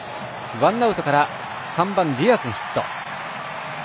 ワンアウトから３番、ディアス、ヒット。